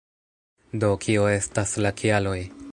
Do, kio estas la kialoj